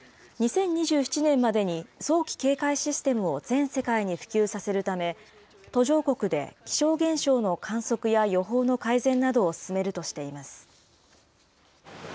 ２０２７年までに早期警戒システムを全世界に普及させるため、途上国で気象現象の観測や予報の改善などを進めるとしています。